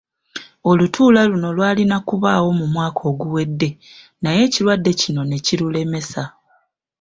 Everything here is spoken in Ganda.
Olutuula luno lwalina kubaawo mu mwaka oguwedde naye ekirwadde kino ne kirulemesa.